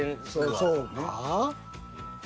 そうか？